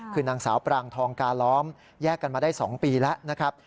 คือนางสาวปรางทองกาล้อมแยกกันมาได้๒ปีแล้วนะครับ